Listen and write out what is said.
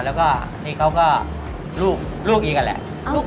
แล้วนี่เค้าก็ลูกดีกันแหละ